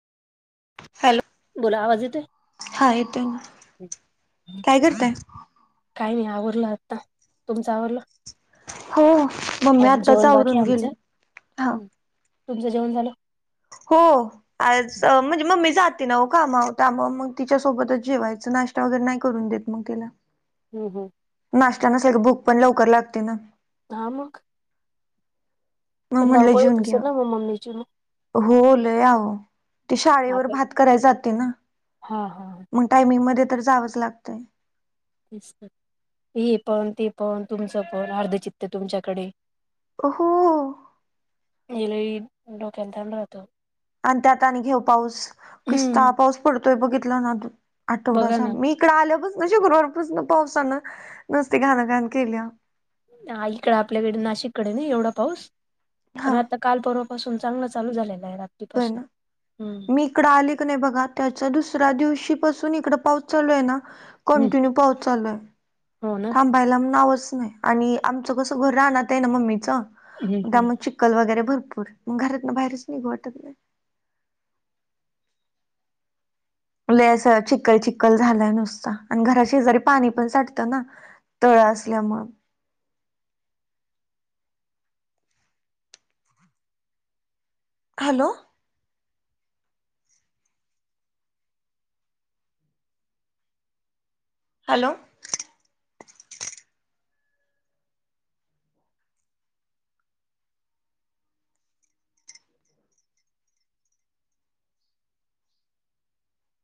Hello! बोला आवाज येतोय? हा येतोय ना. काय करताय? काही नाही आवरडलं आता तुमचं आवरलं? हो मम्मी अजून आत्ताच जेवण बाकी आवरून आहे गेली. आमचं हा. हम्. तुमचं जेवण झालं? हो. आह म्हणजे म मी जाते ना हो कामावर मग तिच्यासोबतच जेवायचं नाश जाऊदे. नाही करून देत मग तीला. हम् हम्. नाश्ता नसल्यावर बुक पण लवकर लागते ना. ह मग? मग म्हणलं धावपळ जेऊन होत असताना घ्यावं मम्मीची पण? हो लई आहो ती शाळेवर आपल्या भात कराय जाते ना. हा हा. मग टायमिंग मध्ये तर जावंच लागतं. हे पण ते पण तुमचं पण अर्ध चित्ते तुमच्याकडे. हो. ये लई डोक्याला ताण राहतो. आणि त्यात आणि घे पाऊस किस्ता हम्म पाऊस पडतोय बघितला ना बघा आठवड्याचा ना. मी इकड आल्यापासन शुक्रवारपासन पावसानं नसते घाणघाण केल्या. आईकड आपल्याकडे नाशिककडे नाही एवढा पाऊस हा प आता कालपर्वापासून चांगलं चालू झालेलं आहे रात हो ना मी इकड आले क नाही बघा त्याच्या दुसऱ्या दिवशी पासून इकड पाऊस चालू आहे ना. हम्म कंटीन्यू पाऊस चालू आहे. हो ना. बैलारामच नाही आणि आमचं कसं घर रानात आहे ना मम्मीचं हम्म हम्म. त्यामुळे चिख चकल वगैरे भरपूर मग घरात ना बाहेरच निघू वाटत नाही. लस चिकखल चिक्खल झालंय नुसत आणि घरा शेजारी पाणी पण साटतं ना. तळ असल्यामुळे. हॅलो! हॅलो!